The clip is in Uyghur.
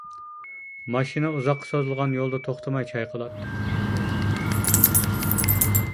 ماشىنا ئۇزاققا سوزۇلغان يولدا توختىماي چايقىلاتتى.